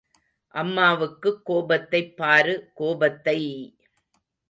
அம்மாவுக்குக் கோபத்தைப் பாரு கோபத்தை..!